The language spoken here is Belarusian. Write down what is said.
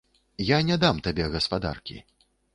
Я не дам табе гаспадаркі.